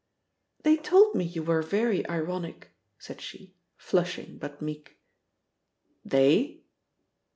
"They told me you were very ironic," said she, flushing but meek. "They!"